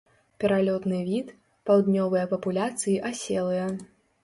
Пералётны від, паўднёвыя папуляцыі аселыя.